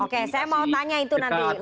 oke saya mau tanya itu nanti